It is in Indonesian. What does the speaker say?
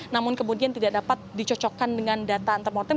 namun kemudian tidak dapat dicocokkan dengan data antemortem